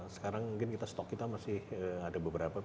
sekarang mungkin kita stok kita masih ada beberapa